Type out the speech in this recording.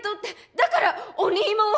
だから鬼芋を。